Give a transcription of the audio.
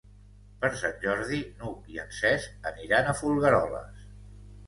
Per Sant Jordi n'Hug i en Cesc aniran a Folgueroles.